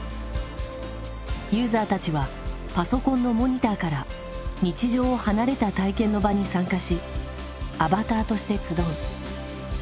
ユーザーたちはパソコンのモニターから日常を離れた体験の場に参加しアバターとして集う。